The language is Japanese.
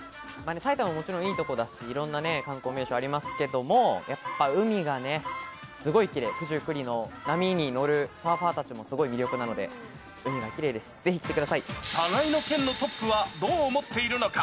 埼玉ももちろんいい所だし、いろんな観光名所ありますけれども、やっぱ海がね、すごいきれい、九十九里の波に乗るサーファーたちもすごい魅力なので、海がきれいです、互いの県のトップはどう思っているのか。